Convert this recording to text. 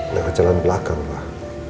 dengan jalan belakang pak